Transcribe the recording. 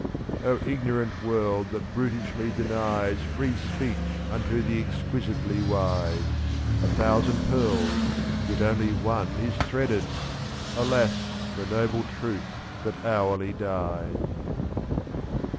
O ignorant world that brutishly denies Free speech unto the exquisitely wise; '*?'• A thousand pearls — yet only one is threaded! Alas ! for noble truth that hourly dies.